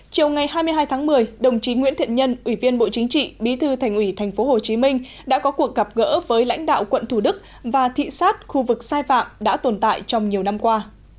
chiều ngày hai mươi hai tháng một mươi đồng chí nguyễn thiện nhân ủy viên bộ chính trị bí thư thành ủy thành phố hồ chí minh đã có cuộc gặp gỡ với lãnh đạo quận thủ đức và thị xác khu vực sai phạm đã tồn tại trong nhiều năm qua